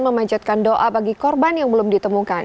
memanjatkan doa bagi korban yang belum ditemukan